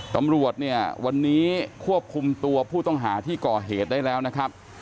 ตำรวจเนี่ยวันนี้ควบคุมตัวผู้ต้องหาที่ก่อเหตุได้แล้วนะครับ